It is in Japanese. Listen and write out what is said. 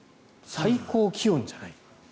最高気温じゃない。